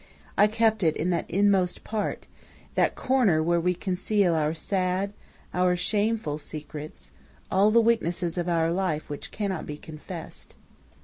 I kept it in that inmost part, that corner where we conceal our sad, our shameful secrets, all the weaknesses of our life which cannot be confessed.